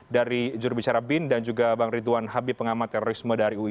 dari jurubicara bin dan juga bang ridwan habib pengamat terorisme dari ui